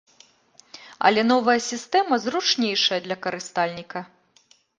Але новая сістэма зручнейшая для карыстальніка.